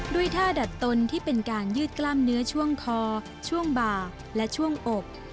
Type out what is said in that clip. ท่าดัดตนที่เป็นการยืดกล้ามเนื้อช่วงคอช่วงบ่าและช่วงอก